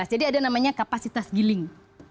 jadi ada namanya kapasitas giling